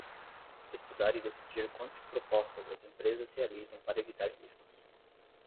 Estudar e decidir quantas propostas as empresas realizam para evitar riscos.